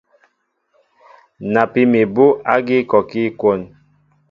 Napí mi abú ágí kɔɔkí kwón.